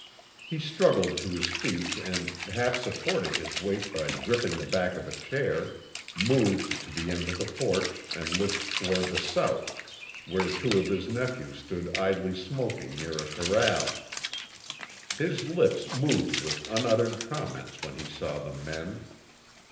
He struggled to his feet and, half supporting his weight by gripping the back of a chair, moved to the end of the porch and looked toward the south, where two of his nephews stood idly smoking near a corral. His lips moved with unuttered comments when he saw the men.